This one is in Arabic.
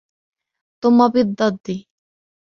ثُمَّ بِالضِّدِّ